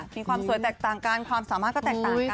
มีความสวยแตกต่างกันความสามารถก็แตกต่างกัน